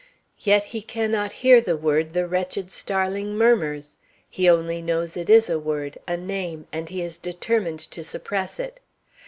Yet he cannot hear the word the wretched starling murmurs. He only knows it is a word, a name, and he is determined to suppress it.